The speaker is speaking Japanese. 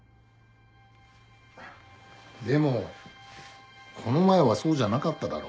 でもこの前はそうじゃなかっただろ。